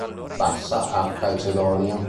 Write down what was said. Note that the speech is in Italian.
Bassa, a Calcedonia.